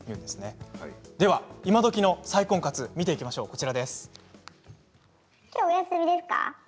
では、今どきの再婚活見ていきましょう。